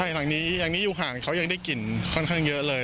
หลังนี้หลังนี้อยู่ห่างเขายังได้กลิ่นค่อนข้างเยอะเลย